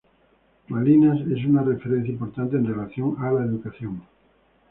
Malinas es una referencia importante en relación a la educación.